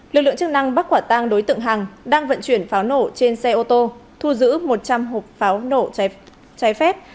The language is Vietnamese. lực lượng chức năng bắt quả tang đối tượng hằng đang vận chuyển pháo nổ trên xe ô tô thu giữ một trăm linh hộp pháo nổ trái phép